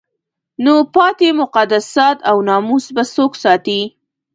نو پاتې مقدسات او ناموس به څوک ساتي؟